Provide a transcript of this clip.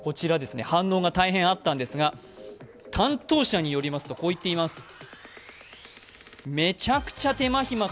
反応が大変あったんですが、担当者によりますと、こう言っています。